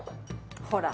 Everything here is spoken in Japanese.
ほら。